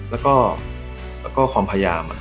แล้วก็ความพยายาม